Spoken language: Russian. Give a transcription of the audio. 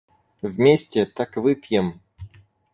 Вместе, так выпьем!